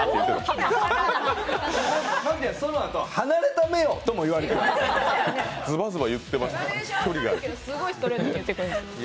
そのあと、「離れた目を」とも言われてました。